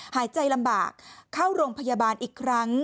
หายใจลำบากเข้าโรงพยาบาลอีกครั้ง